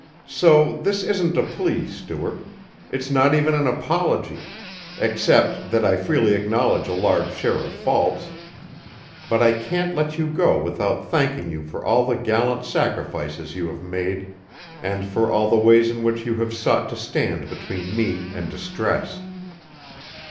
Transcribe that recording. So this isn't a plea, Stuart. It's not even an apology except that I freely acknowledge a large share of fault but I can't let you go without thanking you for all the gallant sacrifices you have made and for all the ways in which you have sought to stand between me and distress.